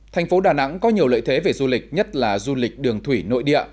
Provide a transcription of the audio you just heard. thành phố đà nẵng có nhiều lợi thế về du lịch nhất là du lịch đường thủy nội địa